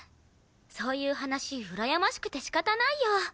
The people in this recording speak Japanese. そういう話うらやましくて仕方ないよ。